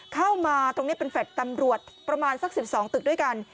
เข้ามาตรงนี้เป็นแฟลต์ตำรวจประมาณสัก๑๒ตึกด้วยกัน